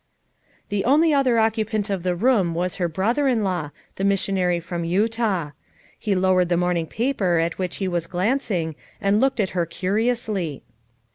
'" The only other occupant of the room was her brother in law, the missionary from Utah. He lowered the morning paper at which he was glancing and looked at her curiously.